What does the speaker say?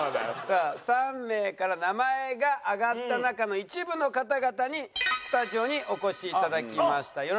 ３名から名前が挙がった中の一部の方々にスタジオにお越し頂きました。